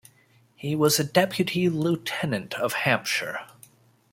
He was a Deputy Lieutenant of Hampshire.